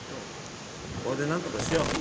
これで何とかしよう。